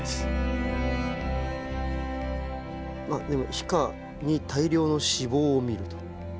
皮下に大量の脂肪をみると。